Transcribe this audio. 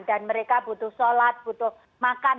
dan mereka butuh sholat butuh makan